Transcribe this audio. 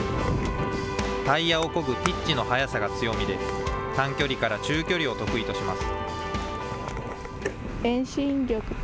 タイヤをこぐピッチの速さが強みで、短距離から中距離を得意とします。